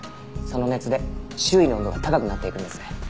その熱で周囲の温度が高くなっていくんですね。